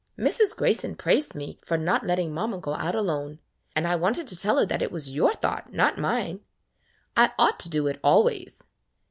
Mrs. Grayson praised me for not letting mamma go out alone, and I wanted to tell her that it was your thought, not mine. I ought to do it always.